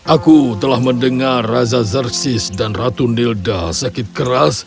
aku telah mendengar raza zersis dan ratu nilda sakit keras